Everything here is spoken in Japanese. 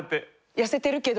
痩せてるけど。